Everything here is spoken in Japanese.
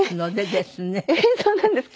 実はそうなんです。